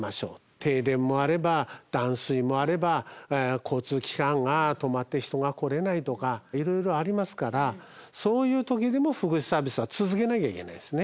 停電もあれば断水もあれば交通機関が止まって人が来れないとかいろいろありますからそういう時でも福祉サービスは続けなきゃいけないですね。